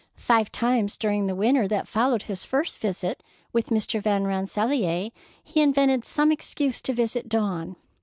Five times during the winter that followed his first visit with Mr. Van Rensselaer, he invented some excuse to visit Dawn.